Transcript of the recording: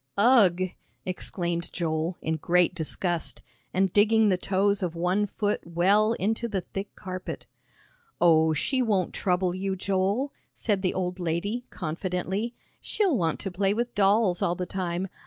"Ugh!" exclaimed Joel in great disgust, and digging the toes of one foot well into the thick carpet. "Oh, she won't trouble you, Joel," said the old lady, confidently; "she'll want to play with dolls all the time.